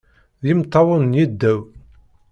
D imeṭṭawen n yiddew.